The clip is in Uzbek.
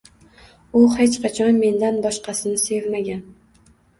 U hech qachon mendan boshqasini sevmagan